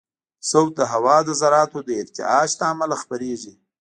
صوت د هوا د ذراتو د ارتعاش له امله خپرېږي.